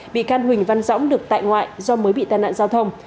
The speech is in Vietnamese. bị can huỳnh văn dõng được tại ngoại do mới bị tàn nạn giao thông